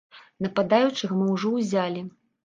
Нападаючага мы ўжо ўзялі.